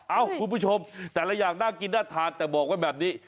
คุณผู้ชมแต่ละอย่างน่ากินน่าทานแต่บอกไว้แบบนี้